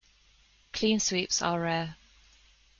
Clean sweeps are rare.